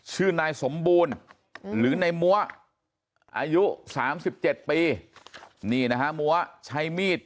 ชื่อนายสมบูรณ์หรือในมัวอายุ๓๗ปีนี่นะฮะมัวใช้มีด